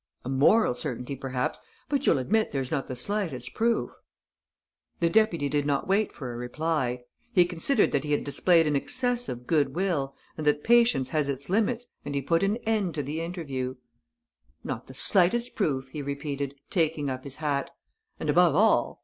"A moral certainty, perhaps, but you'll admit there's not the slightest proof." The deputy did not wait for a reply. He considered that he had displayed an excessive goodwill and that patience has its limits and he put an end to the interview: "Not the slightest proof," he repeated, taking up his hat. "And, above all